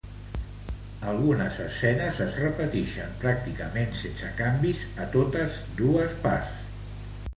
Algunes escenes es repetixen pràcticament sense canvis a totes dos parts.